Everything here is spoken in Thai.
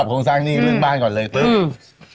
โครงสร้างหนี้เรื่องบ้านก่อนเลยปุ๊บ